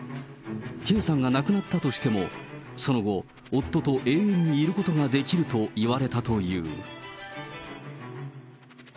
Ｋさんが亡くなったとしても、その後、夫と永遠にいることができると言われたという。